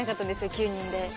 ９人で。